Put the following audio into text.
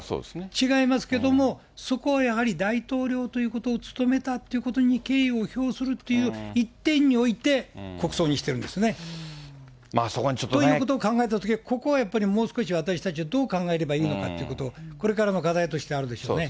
違いますけれども、そこはやはり大統領ということを務めたっていうことに敬意を表するという一点において国葬にしてるんですね。ということを考えたとき、ここはやっぱりもう少し、私たちはどう考えればいいのかっていうことを、これからの課題としてあるでしょうね。